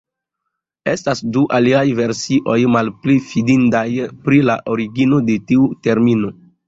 Estas du aliaj versioj, malpli fidindaj, pri la origino de tiu termino.